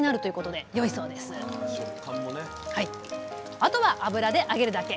あとは油で揚げるだけ！